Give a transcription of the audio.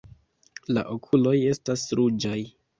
La okuloj estas ruĝaj.